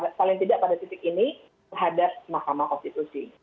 paling tidak pada titik ini terhadap mahkamah konstitusi